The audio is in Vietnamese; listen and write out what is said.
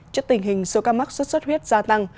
trước tình hình số ca mắc sốt xuất huyết gia tăng